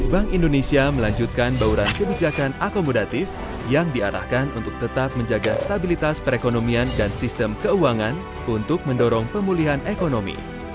bank indonesia melanjutkan bauran kebijakan akomodatif yang diarahkan untuk tetap menjaga stabilitas perekonomian dan sistem keuangan untuk mendorong pemulihan ekonomi